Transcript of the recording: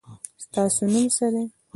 ستاسو نوم څه دی؟